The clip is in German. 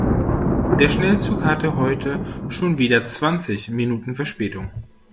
Der Schnellzug hatte heute schon wieder zwanzig Minuten Verspätung.